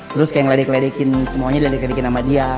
terus kayak ngeledek ledekin semuanya diledek ledekin sama dia